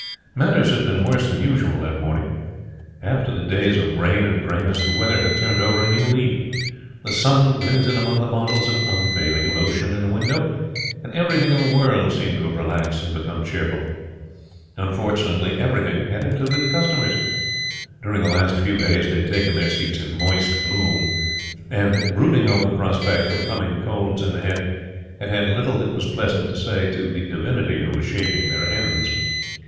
Matters had been worse than usual that morning. After days of rain and greyness the weather had turned over a new leaf. The sun glinted among the bottles of Unfailing Lotion in the window, and everything in the world seemed to have relaxed and become cheerful. Unfortunately, everything had included the customers. During the last few days they had taken their seats in moist gloom, and, brooding over the prospect of coming colds in the head, had had little that was pleasant to say to the divinity who was shaping their ends.